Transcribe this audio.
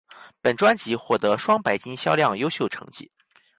本专辑获得双白金销量优秀成绩。